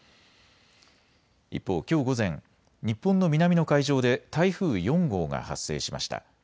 一方、きょう午前、日本の南の海上で台風４号が発生しました。